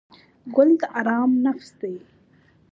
ګل د آرام نفس دی.